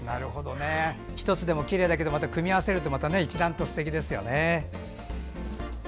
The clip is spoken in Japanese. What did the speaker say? １つでもきれいだけど組み合わせるとまた一段とすてきですよね。